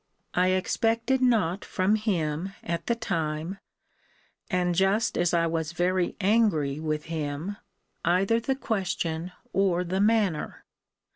I expected not from him, at the time, and just as I was very angry with him, either the question or the manner.